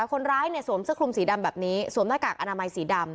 คนร้ายเนี่ยสวมเสื้อคลุมสีดำแบบนี้สวมหน้ากากอนามัยสีดำ